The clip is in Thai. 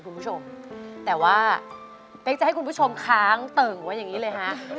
คุณผู้ชมแต่ว่าเป๊กจะให้คุณผู้ชมค้างเติ่งไว้อย่างนี้เลยฮะ